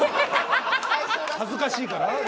恥ずかしいから？